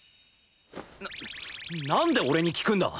ななんで俺に聞くんだ！